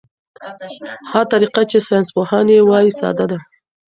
هغه طریقه چې ساینسپوهان یې وايي ساده ده.